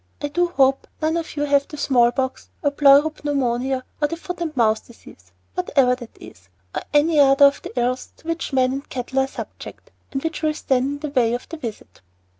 I do hope none of you have the small pox, or pleuro pneumonia, or the "foot and mouth disease" (whatever that is), or any other of the ills to which men and cattle are subject, and which will stand in the way of the visit.